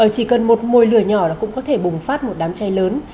chỉ cần một môi lửa nhỏ là cũng có thể bùng phát một đám cháy lớn